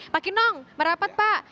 pak kenong merapat pak